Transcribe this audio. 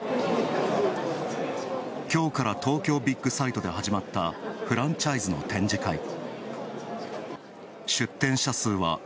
きょうから東京ビッグサイトで始まったフランチャイズの展示会。